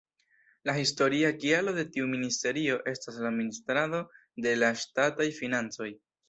La historia kialo de tiu ministerio estas la administrado de la ŝtataj financoj.